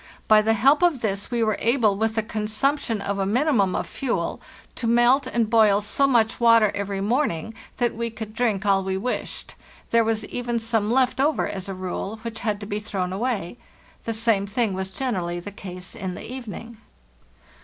By the help of this we were able, with the consumption of a minimum of fuel, to melt and boil so much water every morning that we could drink all we wished. There was even some left over, as a rule, which had to be thrown away. The same thing was generally the case in the evening.